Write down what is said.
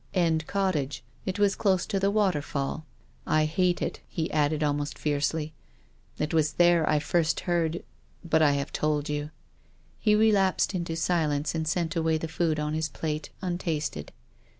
"" End Cottage. It was close to the waterfall, I hate it," he added almost fiercely. " It was there that I first heard — but I have told you." He relapsed into silence and sent away the food on his plate untasted.